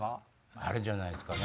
あれじゃないですかね